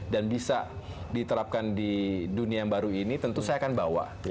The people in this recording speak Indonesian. dan bisa diterapkan di dunia yang baru ini tentu saya akan bawa